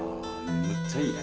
むっちゃいいね。